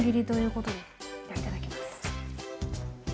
ではいただきます。